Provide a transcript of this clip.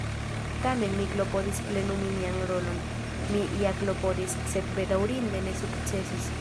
Tamen mi klopodis plenumi mian rolon; mi ja klopodis, sed bedaŭrinde ne sukcesis.